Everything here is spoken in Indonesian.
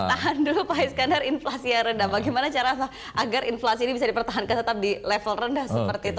tahan dulu pak iskandar inflasinya rendah bagaimana cara agar inflasi ini bisa dipertahankan tetap di level rendah seperti itu